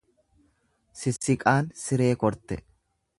Sissiqaan siree korte.